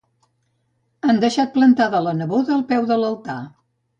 Han deixat plantada la neboda al peu de l'altar.